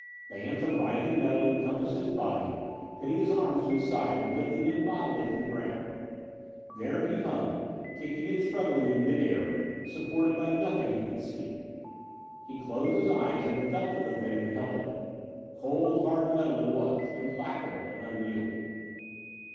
Bands of writhing metal encompassed his body, pinning his arms to his side and lifting him bodily from the ground. There he hung, kicking and struggling in mid air, supported by nothing he could see. He closed his eyes and felt of the thing that held him. Cold, hard metal it was implacable and unyielding.